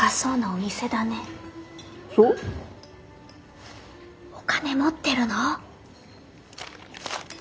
お金持ってるの？